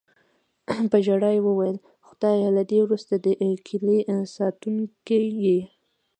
په ژړا یې وویل: "خدایه، له دې وروسته د کیلي ساتونکی یې".